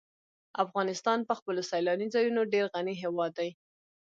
افغانستان په خپلو سیلاني ځایونو ډېر غني هېواد دی.